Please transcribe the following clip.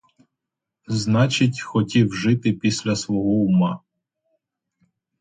Значить, хотів жити після свого ума.